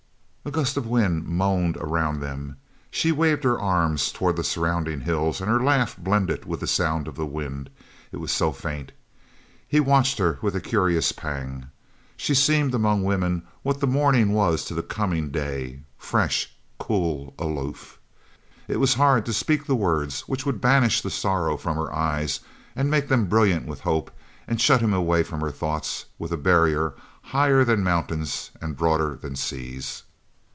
A gust of wind moaned around them. She waved her arm towards the surrounding hills and her laugh blended with the sound of the wind, it was so faint. He watched her with a curious pang. She seemed among women what that morning was to the coming day fresh, cool, aloof. It was hard to speak the words which would banish the sorrow from her eyes and make them brilliant with hope and shut him away from her thoughts with a barrier higher than mountains, and broader than seas.